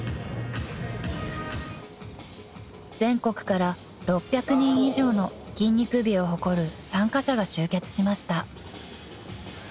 ［全国から６００人以上の筋肉美を誇る参加者が集結しました］